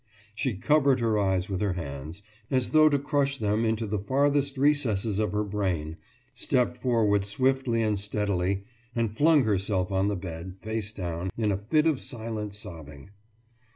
She covered her eyes with her hands, as though to crush them into the farthest recesses of her brain, stepped forward swiftly and steadily, and flung herself on the bed, face down, in a fit of silent sobbing.